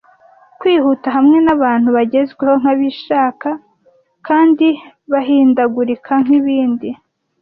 Kwihuta hamwe nabantu bigezweho nkabishaka kandi bahindagurika nkibindi,